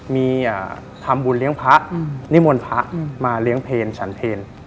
มีทำบุญเลี้ยงพระนิมนต์พระมาเลี้ยงเพลฉันเพล